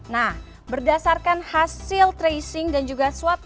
nah berdasarkan hasil tracing dan juga swab